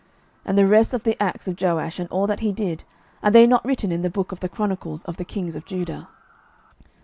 12:012:019 And the rest of the acts of Joash, and all that he did, are they not written in the book of the chronicles of the kings of Judah?